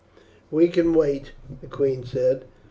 "We can wait," the queen said.